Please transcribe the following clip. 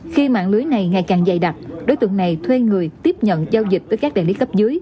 khi mạng lưới này ngày càng dày đặc đối tượng này thuê người tiếp nhận giao dịch với các đại lý cấp dưới